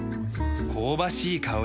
香ばしい香り。